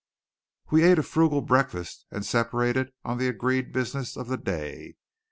We ate a frugal breakfast and separated on the agreed business of the day.